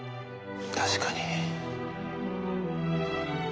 確かに。